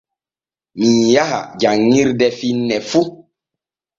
Mii yaha janŋirde finne fu.